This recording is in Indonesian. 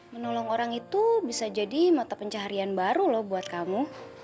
menolong orang itu bisa jadi mata pencaharian baru loh buat kamu